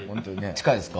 近いですか？